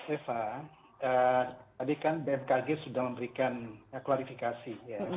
eva tadi kan bmkg sudah memberikan klarifikasi